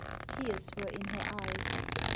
Tears were in her eyes. Mr.